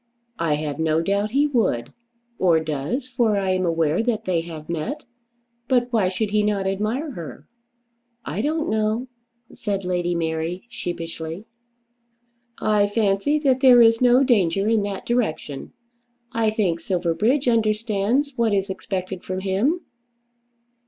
"I have no doubt he would, or does, for I am aware that they have met. But why should he not admire her?" "I don't know," said Lady Mary sheepishly. "I fancy that there is no danger in that direction. I think Silverbridge understands what is expected from him."